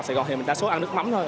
saigon thì mình đa số ăn nước mắm thôi